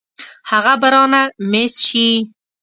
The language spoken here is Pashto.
هغه به رانه مېس شي.